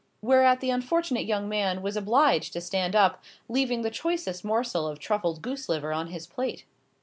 Whereat the unfortunate young man was obliged to stand up, leaving the choicest morsel of truffled goose liver on his plate.